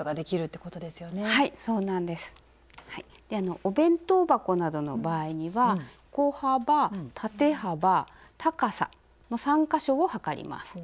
お弁当箱などの場合には横幅縦幅高さの３か所を測ります。